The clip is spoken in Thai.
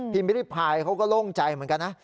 พิมพ์วิทยุปราณ์เขาก็โล่งใจเหมือนกันนะ